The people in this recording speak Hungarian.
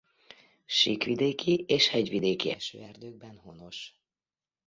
Síkvidéki és hegyvidéki esőerdőkben honos.